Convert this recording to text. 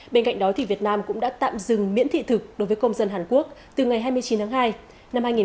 bên cạnh đó việt nam cũng đã tạm dừng miễn thị thực đối với công dân hàn quốc từ ngày hai mươi chín tháng hai